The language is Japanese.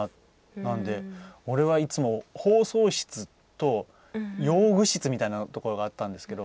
なんで俺は、いつも放送室と用具室みたいなところがあったんですけど